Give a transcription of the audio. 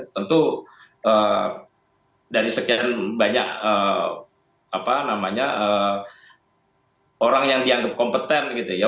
tentu dari sekian banyak orang yang dianggap kompeten gitu ya